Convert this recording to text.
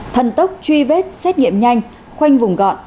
thần tốc truy vết xét nghiệm nhanh khoanh vùng gọn